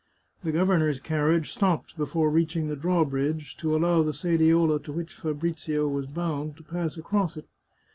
The governor's carriage stopped before reaching the drawbridge, to allow the sediola to which Fabrizio was bound to pass across it.